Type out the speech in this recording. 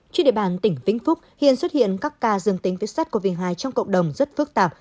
chuyên địa bàn tỉnh vĩnh phúc hiện xuất hiện các ca dương tính viết sắt covid một mươi chín trong cộng đồng rất phức tạp